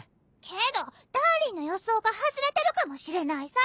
けどダーリンの予想が外れてるかもしれないさ。